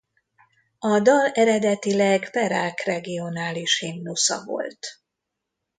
A dal eredetileg Perak regionális himnusza volt.